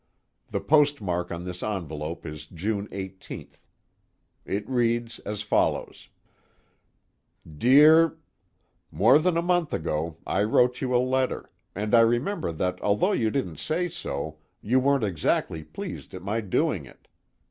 The postmark on this envelope is June 18th. It reads as follows: "Dear "More than a month ago I wrote you a letter, and I remember that although you didn't say so, you weren't exactly pleased at my doing it.